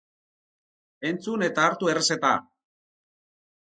Entzun eta hartu errezeta!